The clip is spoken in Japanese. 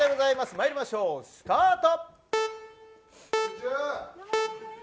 まいりましょう、スタート。